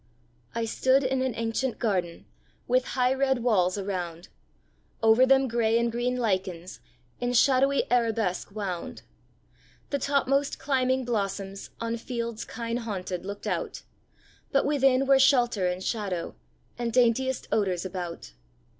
I stood in an ancient garden With high red walls around; Over them gray and green lichens In shadowy arabesque wound. The topmost climbing blossoms On fields kine haunted looked out; But within were shelter and shadow, And daintiest odours about.